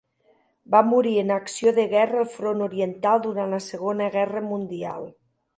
Va morir en acció de guerra al Front Oriental durant la Segona Guerra Mundial.